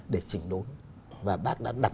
để chỉnh đốn và bác đã đặt